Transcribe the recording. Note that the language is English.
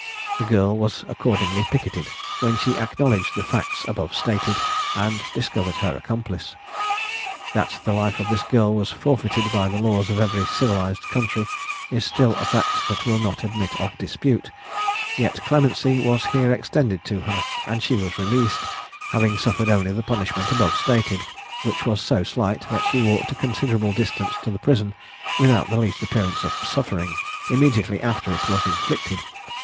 The girl was accordingly picketed, when she acknowledged the facts above stated, and discovered her accomplice. That the life of this girl was forfeited by the laws of every civilised country is a fact that will not admit of dispute; yet clemency was here extended to her, and she was released, having suffered only the punishment above stated; which was so slight, that she walked a considerable distance to the prison, without the least appearance of suffering, immediately after it was inflicted.